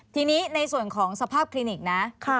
ทีนี้ในส่วนของสภาพคลินิกนะ